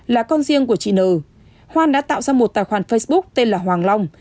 là con riêng của chị n hoan đã tạo ra một tài khoản facebook tên là hoàng long